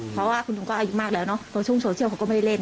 เพราะว่าคุณลุงก็อายุมากแล้วเนอะช่วงโซเชียลเขาก็ไม่ได้เล่น